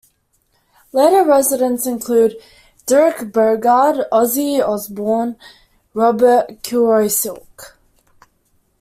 Later residents include Dirk Bogarde, Ozzy Osbourne Robert Kilroy-Silk.